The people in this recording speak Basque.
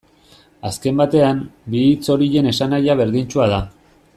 Azken batean, hitz bi horien esanahia berdintsua da.